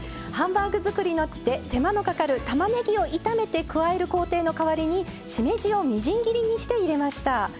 ハンバーグ作りの手間のかかるたまねぎを炒めて加える工程の代わりにしめじをみじん切りにして入れました。